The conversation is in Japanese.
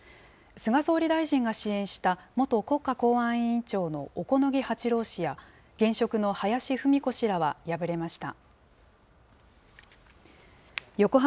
菅総理大臣が支援した元国家公安委員長の小此木八郎氏や現職の林文子氏らは敗れました。